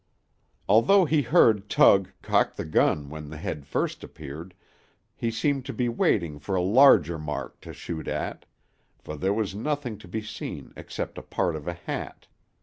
Although he heard Tug cock the gun when the head first appeared, he seemed to be waiting for a larger mark to shoot at; for there was nothing to be seen except a part of a hat.